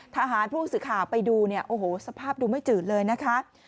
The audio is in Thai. ทหารผู้สื่อข่าวไปดูเนี่ยโอ้โหสภาพดูไม่จืดเลยนะคะ